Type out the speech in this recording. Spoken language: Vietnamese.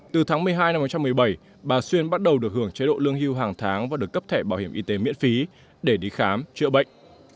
từ tháng một mươi hai năm hai nghìn một mươi bảy bà xuyên bắt đầu được hưởng chế độ lương hưu hàng tháng và được cấp thẻ bảo hiểm y tế miễn phí để đi khám chữa bệnh